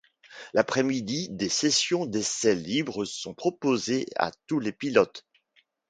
L'après-midi des sessions d'essais libres sont proposées à tous les pilotes.